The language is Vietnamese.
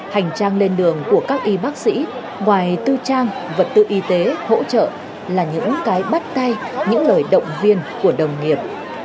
hành trang lên đường của các y bác sĩ ngoài tư trang vật tự y tế hỗ trợ là những cái bắt tay những lời động viên của đồng nghiệp